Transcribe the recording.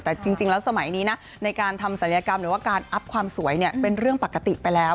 แต่จริงแล้วสมัยนี้นะในการทำศัลยกรรมหรือว่าการอัพความสวยเป็นเรื่องปกติไปแล้ว